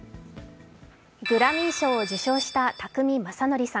グラミー賞を受賞した宅見将典さん。